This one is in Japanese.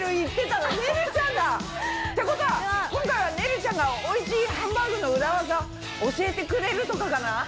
ってことは今回はねるちゃんがおいしいハンバーグの裏ワザ教えてくれるとかかな？